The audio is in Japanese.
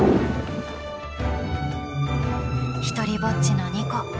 独りぼっちのニコ。